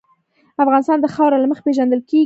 افغانستان د خاوره له مخې پېژندل کېږي.